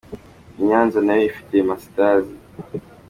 Iya Nyanza na yo ifite masitazi.